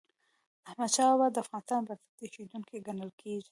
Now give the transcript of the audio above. احمدشاه بابا د افغانستان بنسټ ايښودونکی ګڼل کېږي.